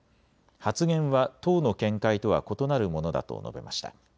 発言は党の見解とは異なるものだと述べました。